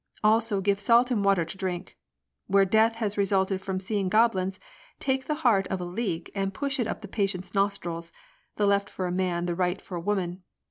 Also, give salt and water to drink. Where death has resulted from seeing goblins, take the heart of a leek and push it up the patient's nostrils — the left for a man, the right for a woman.